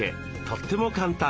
とっても簡単。